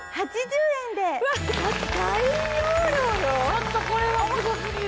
ちょっとこれはすご過ぎる。